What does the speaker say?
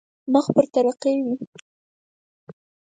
مخ پر ترقي وي.